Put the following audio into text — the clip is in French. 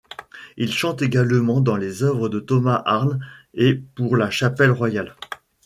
Il chante également dans des œuvres de Thomas Arne et pour la Chapelle royale.